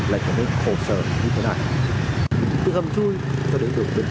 lại trở nên khổ sở như thế này